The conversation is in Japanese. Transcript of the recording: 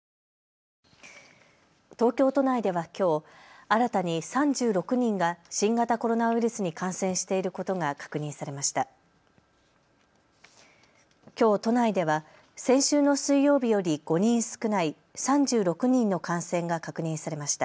東京都内ではきょう、新たに３６人が新型コロナウイルスに感染していることが確認されました。